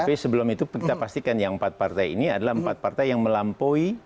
tapi sebelum itu kita pastikan yang empat partai ini adalah empat partai yang melampaui